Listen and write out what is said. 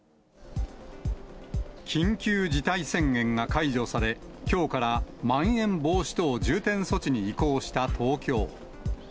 緊急事態宣言が解除され、きょうからまん延防止等重点措置に移行した東京。